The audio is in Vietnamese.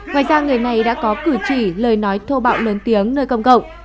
ngoài ra người này đã có cử chỉ lời nói thô bạo lớn tiếng nơi công cộng